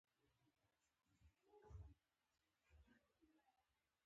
پنېر د خوړو راز دی.